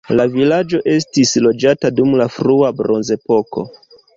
La vilaĝo estis loĝata dum la frua bronzepoko.